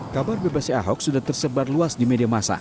kabar bebasnya ahok sudah tersebar luas di media masa